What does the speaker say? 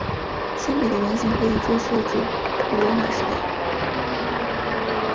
铅笔的原型可以追溯至古罗马时代。